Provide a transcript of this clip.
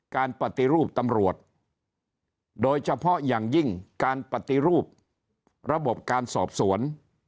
การปฏิรูปตำรวจโดยเฉพาะอย่างยิ่งการปฏิรูประบบการสอบสวน